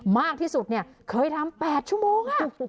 มากที่สุดเนี่ยเคยทำ๘ชั่วโมง